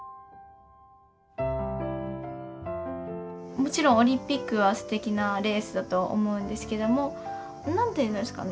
もちろんオリンピックはすてきなレースだとは思うんですけどもなんていうんですかね